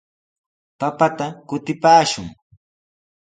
Papata kutipaashun.